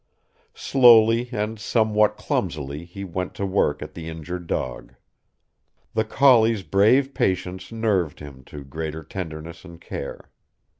Slowly and somewhat clumsily he went to work at the injured dog. The collie's brave patience nerved him to greater tenderness and care.